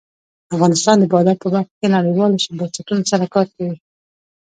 افغانستان د بادام په برخه کې نړیوالو بنسټونو سره کار کوي.